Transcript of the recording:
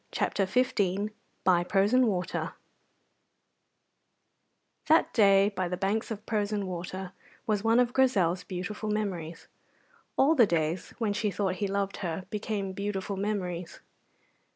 CHAPTER XV BY PROSEN WATER That day by the banks of Prosen Water was one of Grizel's beautiful memories. All the days when she thought he loved her became beautiful memories.